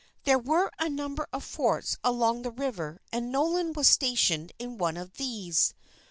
There were a number of forts along the river and Nolan was stationed in one of these.